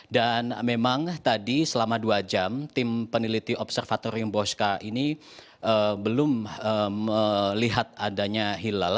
memang tadi selama dua jam tim peneliti observatorium bosca ini belum melihat adanya hilal